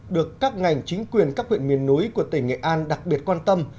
được các ngành chính quyền các huyện miền núi của tỉnh nghệ an đặc biệt quan tâm